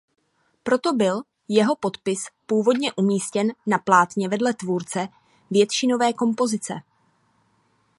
Proto byl jeho podpis původně umístěn na plátně vedle tvůrce většinové kompozice.